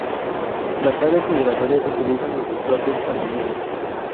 Las aves migratorias utilizan los islotes a menudo.